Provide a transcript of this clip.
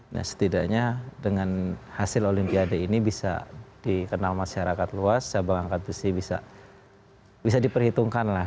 nah setidaknya dengan hasil olimpiade ini bisa dikenal masyarakat luas cabang angkat besi bisa diperhitungkan lah